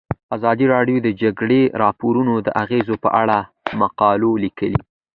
ازادي راډیو د د جګړې راپورونه د اغیزو په اړه مقالو لیکلي.